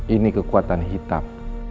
ini kekuatan hitam